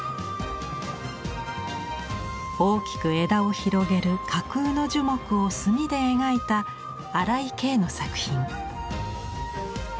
大きく枝を広げる架空の樹木を墨で描いた荒井経の作品。